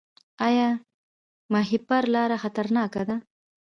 آیا د ماهیپر لاره خطرناکه ده؟